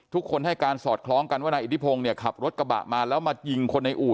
ทุกคนให้การสอดคล้องกันว่านายอิทธิพงศ์เนี่ยขับรถกระบะมาแล้วมายิงคนในอู่